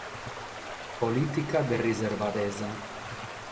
Polìtica de riservadesa